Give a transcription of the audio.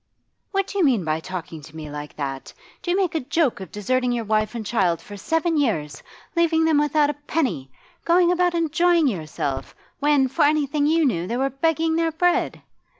'What do you mean by talking to me like that? Do you make a joke of deserting your wife and child for seven years, leaving them without a penny, going about enjoying yourself, when, for anything you knew, they were begging their bread?